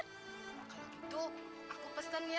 kalau gitu aku pesen ya